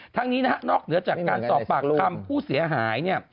ทั้งนี้นะฮะนอกเหนือจากการสอบปากคำผู้เสียหายเนี่ย